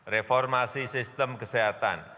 reformasi sistem kesehatan